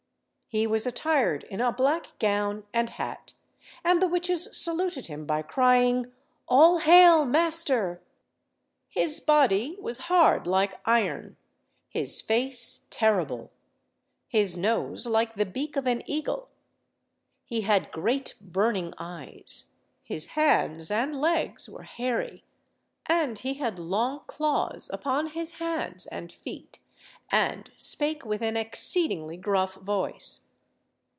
He was attired in a black gown and hat, and the witches saluted him by crying "All hail, master!" His body was hard, like iron; his face terrible; his nose, like the beak of an eagle; he had great burning eyes; his hands and legs were hairy; and he had long claws upon his hands and feet, and spake with an exceedingly gruff voice.